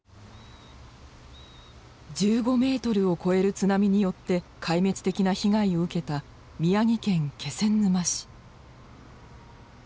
１５ｍを超える津波によって壊滅的な被害を受けた宮城県気仙沼市。